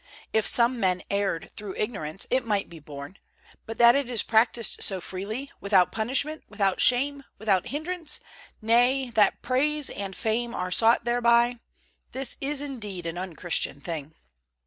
If some men erred through ignorance, it might be borne; but that it is practised so freely, without punishment, without shame, without hindrance, nay, that praise and fame are sought thereby, this is indeed an unchristian thing.